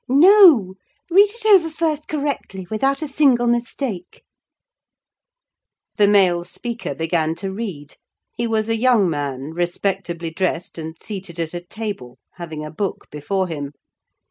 "No, read it over first correctly, without a single mistake." The male speaker began to read: he was a young man, respectably dressed and seated at a table, having a book before him.